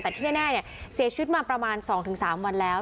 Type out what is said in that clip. แต่ที่แน่เสียชีวิตมาประมาณ๒๓วันแล้ว